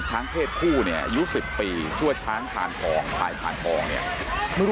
ช้างเพศคู่เนี้ยยูสิบปีช่วยช้างทานพองหายทานพองเนี้ย